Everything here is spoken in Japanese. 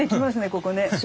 ここね。